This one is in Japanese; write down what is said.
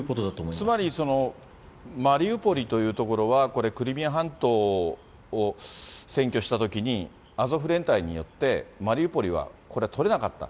つまり、マリウポリという所は、これ、クリミア半島を占拠したときに、アゾフ連隊によって、マリウポリはこれ、とれなかった。